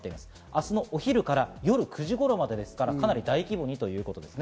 明日のお昼から夜９時頃までですから、かなり大規模にということです。